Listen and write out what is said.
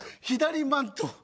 左マント？